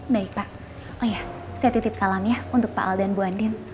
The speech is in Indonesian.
baik pak oh ya saya titip salam ya untuk pak al dan bu andin